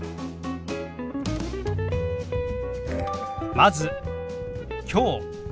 まず「きょう」。